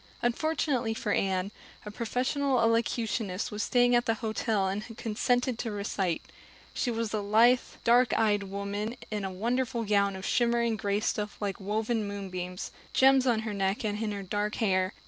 Unfortunately for Anne, a professional elocutionist was staying at the hotel and had consented to recite. She was a lithe, dark eyed woman in a wonderful gown of shimmering gray stuff like woven moonbeams, with gems on her neck and in her dark hair.